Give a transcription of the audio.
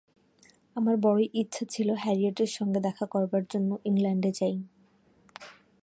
আমার বড়ই ইচ্ছা ছিল হ্যারিয়েটের সঙ্গে দেখা করবার জন্য ইংলণ্ডে যাই।